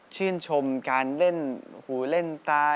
ชื่นชมการเล่นหูเล่นตา